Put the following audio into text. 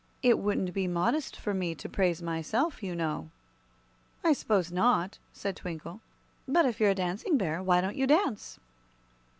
It wouldn't be modest for me to praise myself, you know." "I s'pose not," said Twinkle. "But if you're a Dancing Bear, why don't you dance?"